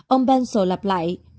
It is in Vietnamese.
ông pencil lặp lại